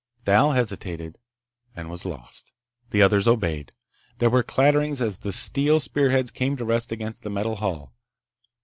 Thal hesitated and was lost. The others obeyed. There were clatterings as the steel spearheads came to rest against the metal hull.